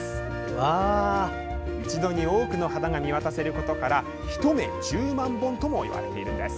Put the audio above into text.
一度に多くの花が見渡せることから一目十万本とも言われているんです。